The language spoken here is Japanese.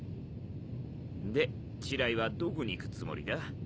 でチライはどこに行くつもりだ？